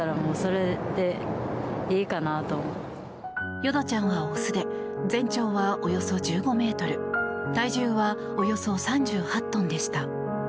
淀ちゃんは雄で全長はおよそ１５ｍ体重はおよそ３８トンでした。